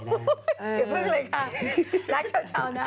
เดี๋ยวเพิ่งเลยค่ะและเจ้าเช้าน่ะ